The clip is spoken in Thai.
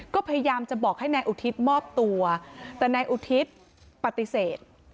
ก็พยายามจะบอกให้นายอุทิศมอบตัวแต่นายอุทิศปฏิเสธ